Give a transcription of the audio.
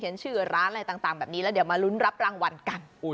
ชื่อร้านอะไรต่างแบบนี้แล้วเดี๋ยวมาลุ้นรับรางวัลกัน